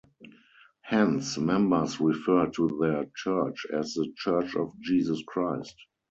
Hence, members refer to their church as The Church of Jesus Christ.